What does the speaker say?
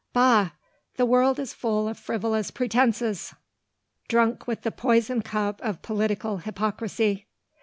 Bah! The world is full of frivolous pretences, drunk with the poison cup of political hypocrisy.